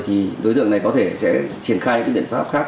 thì đối tượng này có thể sẽ triển khai những biện pháp khác